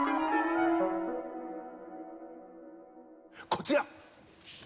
こちら！